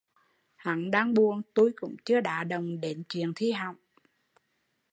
Hắn đang buồn tui cũng chưa đá động đến chuyện thi hỏng